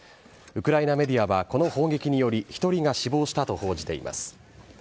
ウクライナメディアはこの砲撃により、１人が死亡したと報じています。